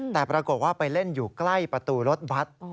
แต่ปรากฏว่าไปเล่นอยู่ใกล้ประตูรถวัด